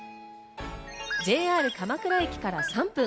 ＪＲ鎌倉駅から３分。